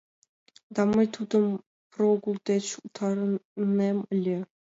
— Да мый тудым прогул деч утарынем ыле.